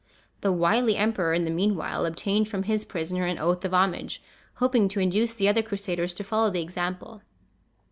The wily emperor, in the meanwhile, obtained from his prisoner an oath of homage, hoping to induce the other Crusaders to follow the example.